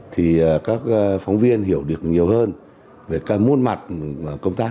thì các phóng viên hiểu được nhiều hơn về các môn mặt công tác